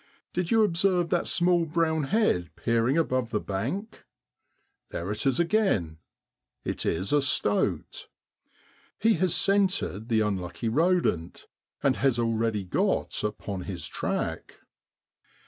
Did you observe that small brown head peering above the bank? There it is again. It is a stoat. He has scented the unlucky rodent, and has already got upon his track.